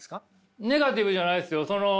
ネガティブじゃないですよ。